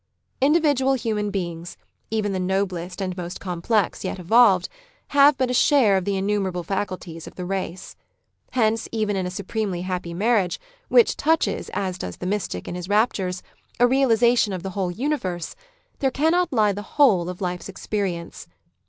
Individual human beings, even the noblest and most complex yet evolved, have but a share of the innumerable faculties of the race. Hence even in a supremely happy marriage, which touches, as does the mystic in his raptures, a realisation of the whole universe, there cannot lie the whole of life's ex perience.